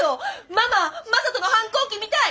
ママ正門の反抗期見たい！